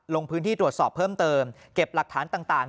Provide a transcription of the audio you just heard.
ลงพื้นที่ตรวจสอบเพิ่มเติมเก็บหลักฐานต่าง